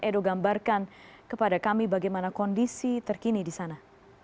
edo gambarkan kepada kami bagaimana kondisi terkini di sana